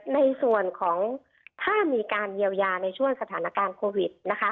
ในส่วนของถ้ามีการเยียวยาในช่วงสถานการณ์โควิดนะคะ